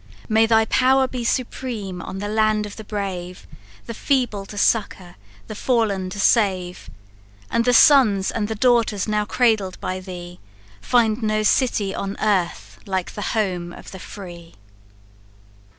May thy power be supreme on the land of the brave, The feeble to succour, the fallen to save, And the sons and the daughters now cradled by thee, Find no city on earth like the home of the free!"